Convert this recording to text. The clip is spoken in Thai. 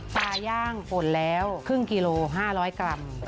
ปลาย่างป่นแล้วครึ่งกิโล๕๐๐กรัม